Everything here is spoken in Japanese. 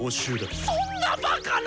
そんなバカな！